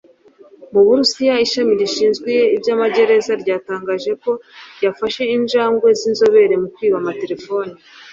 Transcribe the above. Mu burusiya ishami rishinzwe iby’amagereza ryatangaje ko ryafashe injangwe y’inzobere mu kwiba amatelefone